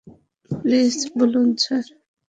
Please চলুন, sir.